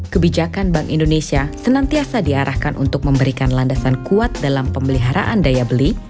kebijakan bank indonesia senantiasa diarahkan untuk memberikan landasan kuat dalam pemeliharaan daya beli